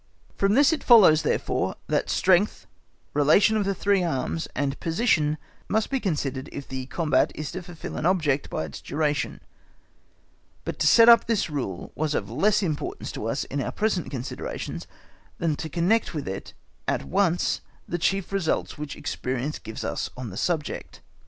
From this it follows, therefore, that strength, relation of the three arms, and position, must be considered if the combat is to fulfil an object by its duration; but to set up this rule was of less importance to us in our present considerations than to connect with it at once the chief results which experience gives us on the subject.